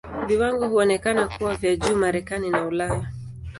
Viwango huonekana kuwa vya juu Marekani na Ulaya.